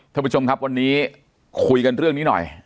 ท่านผู้ชมครับวันนี้คุยกันเรื่องนี้หน่อย